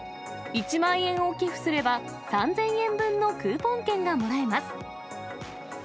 １万円を寄付すれば、３０００円分のクーポン券がもらえます。